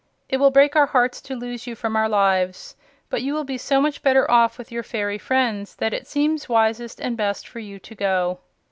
It will break our hearts to lose you from our lives, but you will be so much better off with your fairy friends that it seems wisest and best for you to go."